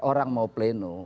orang mau plenum